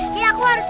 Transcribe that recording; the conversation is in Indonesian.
jadi aku harus